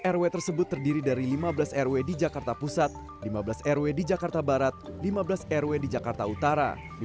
rw tersebut terdiri dari lima belas rw di jakarta pusat lima belas rw di jakarta barat lima belas rw di jakarta utara